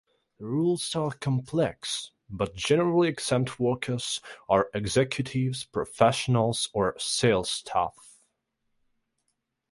The rules are complex, but generally exempt workers are executives, professionals, or sales staff.